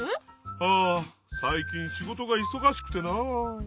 ああ最近仕事がいそがしくてな。